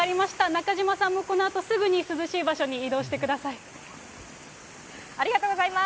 中島さんもこのあと、すぐに涼しい場所に移動ありがとうございます。